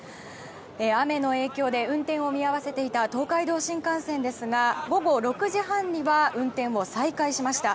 雨の影響で運転を見合わせていた東海道新幹線ですが午後６時半には運転を再開しました。